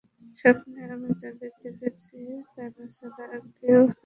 স্বপ্নে আমি যাদেরকে দেখেছি তাঁরা ছাড়া আর কেউ আমার আগে ইসলাম গ্রহণ করেনি।